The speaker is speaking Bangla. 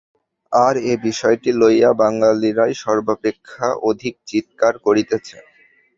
আর এ বিষয়টি লইয়া বাঙালীরাই সর্বাপেক্ষা অধিক চীৎকার করিতেছে।